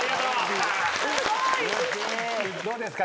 どうですか？